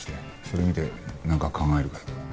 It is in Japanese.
それ見てなんか考えるから。